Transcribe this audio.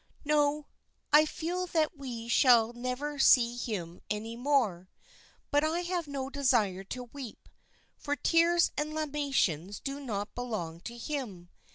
"No, I feel that we shall never see him any more; but I have no desire to weep, for tears and lamentations do not belong to him.